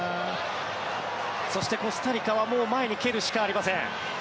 そしてコスタリカはもう前に蹴るしかありません。